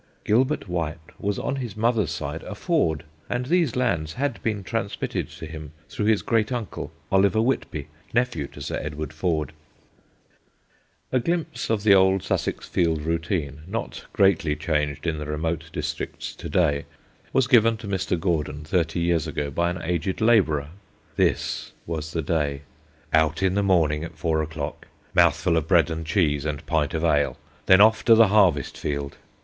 Gilbert White was on his mother's side a Ford, and these lands had been transmitted to him through his great uncle, Oliver Whitby, nephew to Sir Edward Ford." [Sidenote: THE OLD FIELD ROUTINE] A glimpse of the old Sussex field routine, not greatly changed in the remote districts to day, was given to Mr. Gordon thirty years ago by an aged labourer. This was the day: "Out in morning at four o'clock. Mouthful of bread and cheese and pint of ale. Then off to the harvest field.